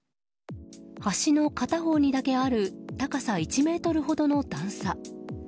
橋の片方にだけある高さ１ｍほどの段差。